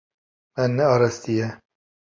Me nearastiye.